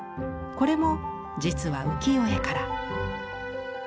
これも実は浮世絵から。